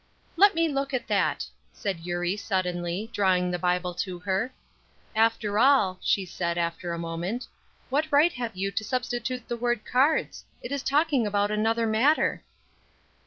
"Let me look at that," said Eurie, suddenly, drawing the Bible to her. "After all," she said, after a moment, "what right have you to substitute the word cards? It is talking about another matter."